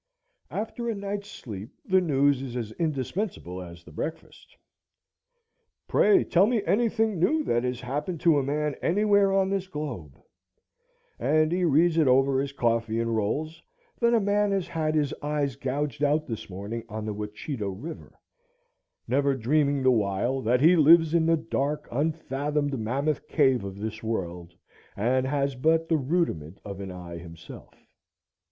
After a night's sleep the news is as indispensable as the breakfast. "Pray tell me any thing new that has happened to a man any where on this globe,"—and he reads it over his coffee and rolls, that a man has had his eyes gouged out this morning on the Wachito River; never dreaming the while that he lives in the dark unfathomed mammoth cave of this world, and has but the rudiment of an eye himself.